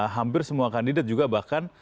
hampir semua kandidat juga bahkan